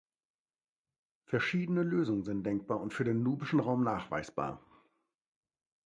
Verschiedene Lösungen sind denkbar und für den nubischen Raum nachweisbar.